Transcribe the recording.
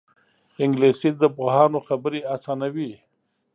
انګلیسي د پوهانو خبرې اسانوي